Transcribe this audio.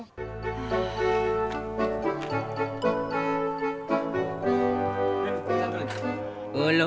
bisa dulu deh